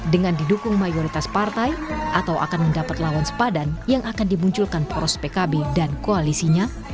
dengan didukung mayoritas partai atau akan mendapat lawan sepadan yang akan dimunculkan poros pkb dan koalisinya